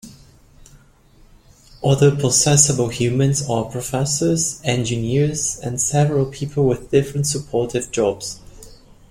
Other possessable humans are professors, engineers and several people with different supportive jobs.